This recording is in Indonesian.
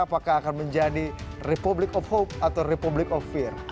apakah akan menjadi republic of hope atau republic of fear